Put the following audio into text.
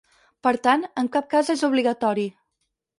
Per tant, en cap cas és obligatori.